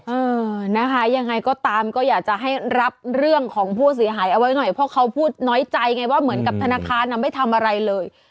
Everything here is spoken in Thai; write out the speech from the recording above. เออนะคะยังไงก็ตามก็อยากจะให้รับเรื่องของผู้เสียหายเอาไว้หน่อยเพราะเขาพูดน้อยใจไงว่าเหมือนกับธนาคารไม่ทำอะไรเลย